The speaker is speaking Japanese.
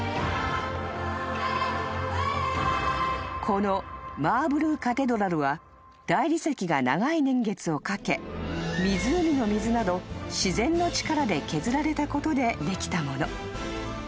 ［このマーブル・カテドラルは大理石が長い年月をかけ湖の水など自然の力で削られたことでできたもの］